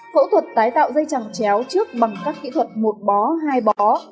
phẫu thuật tái tạo dây chẳng chéo trước bằng các kỹ thuật một bó hai bó